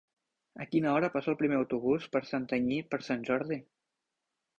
A quina hora passa el primer autobús per Santanyí per Sant Jordi?